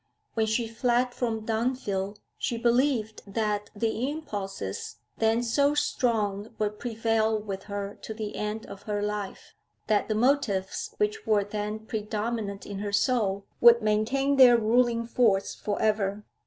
When she fled from Dunfield she believed that the impulses then so strong would prevail with her to the end of her life, that the motives which were then predominant in her soul would maintain their ruling force for ever.